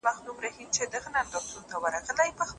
رپېدلی پر خیبر وي ړندې سترګي د اغیار کې